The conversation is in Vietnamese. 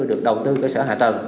được đầu tư cơ sở hạ tầng